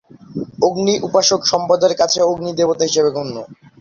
অগ্নি-উপাসক সম্প্রদায়ের কাছে অগ্নি দেবতা হিসেবে গণ্য।